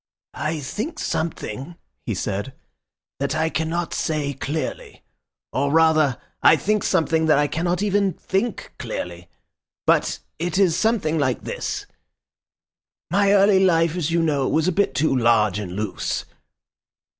"I think something," he said, "that I cannot say clearly. Or, rather, I think something that I cannot even think clearly. But it is something like this. My early life, as you know, was a bit too large and loose.